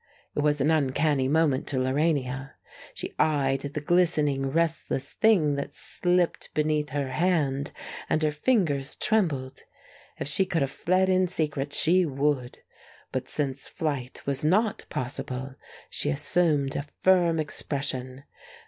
It was an uncanny moment to Lorania. She eyed the glistening, restless thing that slipped beneath her hand, and her fingers trembled. If she could have fled in secret she would. But since flight was not possible, she assumed a firm expression.